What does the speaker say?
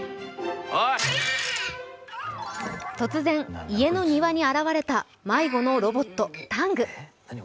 突然、家の庭に現れた迷子のロボット・タング。